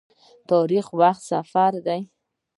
تاریخ د وخت سفر دی.